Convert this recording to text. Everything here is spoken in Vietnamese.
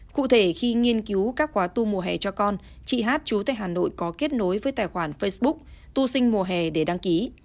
cụ thể khi nghiên cứu các khóa tu mùa hè cho con chị hát chú tại hà nội có kết nối với tài khoản facebook tu sinh mùa hè để đăng ký